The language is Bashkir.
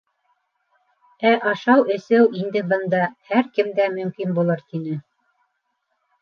Ә ашау-эсеү инде бында һәр кемдә мөмкин булыр, — тине.